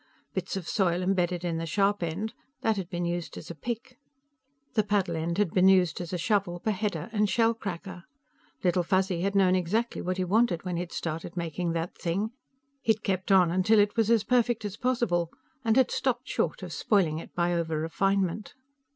Bits of soil embedded in the sharp end that had been used as a pick. The paddle end had been used as a shovel, beheader and shell cracker. Little Fuzzy had known exactly what he wanted when he'd started making that thing, he'd kept on until it was as perfect as possible, and had stopped short of spoiling it by overrefinement.